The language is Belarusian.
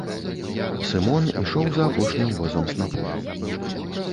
Сымон ішоў за апошнім возам снапоў.